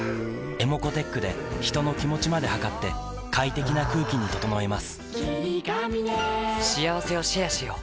ｅｍｏｃｏーｔｅｃｈで人の気持ちまで測って快適な空気に整えます